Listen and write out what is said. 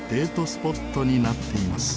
スポットになっています。